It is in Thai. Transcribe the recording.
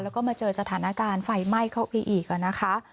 แล้วก็มาเจอสถานการณ์ไฟไหม้เข้าไปอีกนะคะ